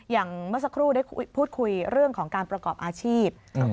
เมื่อสักครู่ได้พูดคุยเรื่องของการประกอบอาชีพ